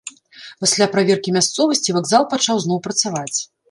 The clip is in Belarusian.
Пасля праверкі мясцовасці вакзал пачаў зноў працаваць.